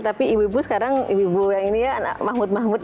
tapi ibu ibu sekarang ibu ibu yang ini ya anak mahmud mahmud